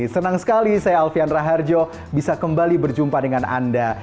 senang sekali saya alfian raharjo bisa kembali berjumpa dengan anda